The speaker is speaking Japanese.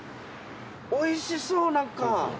美味しそうなんか。